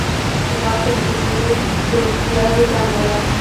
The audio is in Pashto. ځغاسته د ذهني روڼتیا زیږنده ده